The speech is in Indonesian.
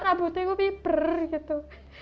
rambutnya gue wibar gitu